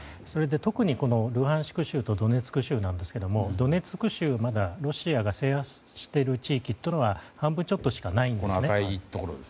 特にルハンシク州とドネツク州なんですがドネツク州は、まだロシアが制圧している地域は半分ちょっとしかないんですね。